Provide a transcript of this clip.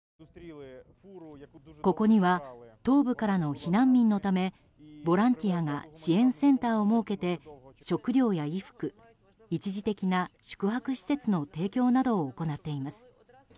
ここには東部からの避難民のためボランティアが支援センターを設けて食料や衣服、一時的な宿泊施設の提供などを行っています。